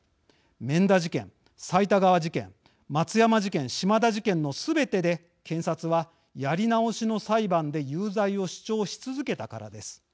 免田事件、財田川事件松山事件、島田事件のすべてで検察は、やり直しの裁判で有罪を主張し続けたからです。